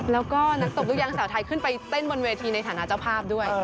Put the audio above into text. แล้วก็นักตบลูกยางสาวไทยขึ้นไปเต้นบนเวทีในฐานะเจ้าภาพด้วย